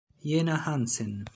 Jena Hansen